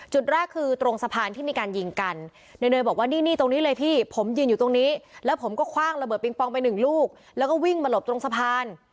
จุดแรกคือตรงสะพานที่มีการยิงกัน